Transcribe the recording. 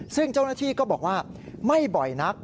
ซึ่งเจ้าหน้าที่ก็บอกว่าไม่บ่อยนัก